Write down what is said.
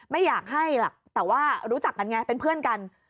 ไม่ล่ะแต่ว่ารู้จักกันไงเป็นเพื่อนกัน